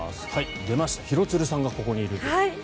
出ました廣津留さんがここにいると。